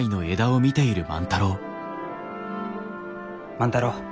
万太郎。